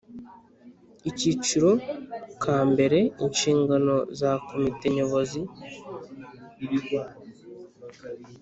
Akiciro ka mbere Inshingano za Komite Nyobozi